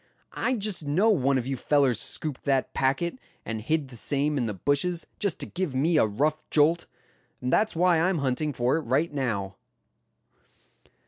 I just know one of you fellers scooped that packet, and hid the same in the bushes, just to give me a rough jolt. And that's why I'm hunting for it right now."